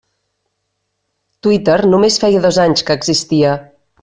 Twitter només feia dos anys que existia.